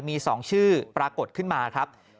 มี๒ชื่อปรากฏขึ้นมาครับ